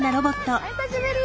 お久しぶり！